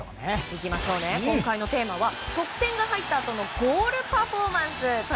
今回のテーマは得点が入ったあとのゴールパフォーマンス。